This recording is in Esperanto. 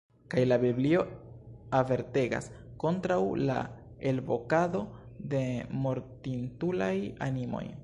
Kaj la Biblio avertegas kontraŭ la elvokado de mortintulaj animoj!